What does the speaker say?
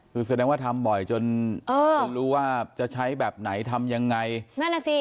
คือแสดงว่าทำบ่อยจนรู้ว่าจะใช้แบบไหนทำยังไงนั่นน่ะสิ